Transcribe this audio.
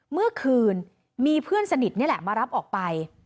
เมื่อคืนมีเพื่อนสนิทนี่แหละมารับออกไป